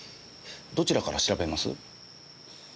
どちらから調べます？